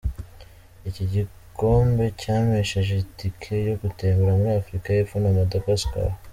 Iki gikombe cyampesheje itike yo gutembera muri Afurika y’Epfo na Madagascar.